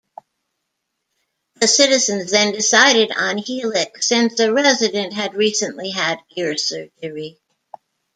The citizens then decided on Helix since a resident had recently had ear surgery.